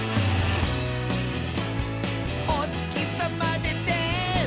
「おつきさまでて」